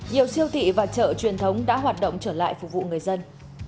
nhiều siêu thị và chợ truyền thống đã hoạt động trở lại phục vụ người dân